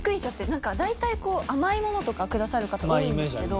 なんか大体甘いものとかをくださる方多いんですけど。